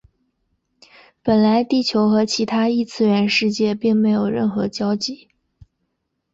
本来地球和其他异次元世界并没有任何交集。